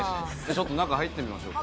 ちょっと中入ってみましょうか。